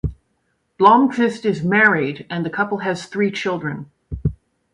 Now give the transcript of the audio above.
Blomqvist is married and the couple has three children.